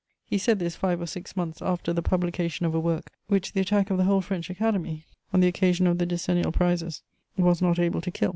He said this five or six months after the publication of a work which the attack of the whole French Academy, on the occasion of the decennial prizes, was not able to kill.